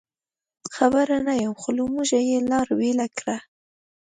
خبر نه یم، خو له موږه یې لار بېله کړه.